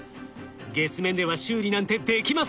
月面では修理なんてできません。